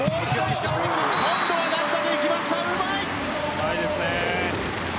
うまいです。